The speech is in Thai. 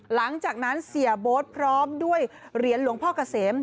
หลังจากนั้นเสียโบ๊ทพร้อมด้วยเหรียญหลวงพ่อเกษม